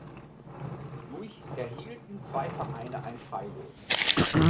Durch erhielten zwei Vereine ein Freilos.